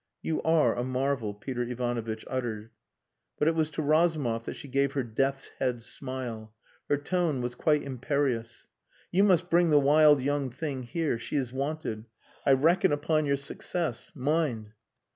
"You are a marvel," Peter Ivanovich uttered. But it was to Razumov that she gave her death's head smile. Her tone was quite imperious. "You must bring the wild young thing here. She is wanted. I reckon upon your success mind!"